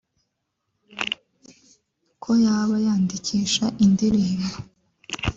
ko yaba yandikisha indirimbo